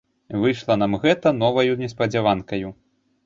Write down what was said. Выйшла нам гэта новаю неспадзяванкаю.